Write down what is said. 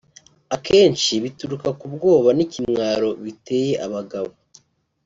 akenshi bituruka ku bwoba n’ikimwaro biteye abagabo